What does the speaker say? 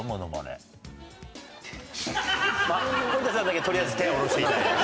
盛田さんだけとりあえず手ぇ下ろして頂いて。